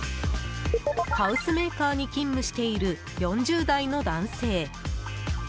ハウスメーカーに勤務している４０代の男性。